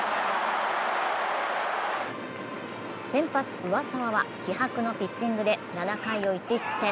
先発・上沢は気迫のピッチングで７回を１失点。